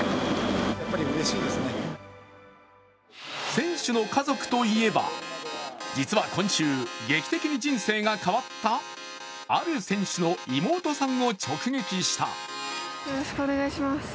選手の家族といえば実は今週、劇的に人生が変わったある選手の妹さんを直撃した。